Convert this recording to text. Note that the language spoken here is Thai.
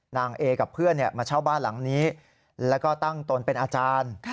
นางเอกับเพื่อนมาเช่าบ้านหลังนี้แล้วก็ตั้งตนเป็นอาจารย์